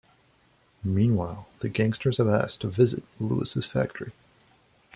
Meanwhile, the gangsters have asked to visit Louis's factory.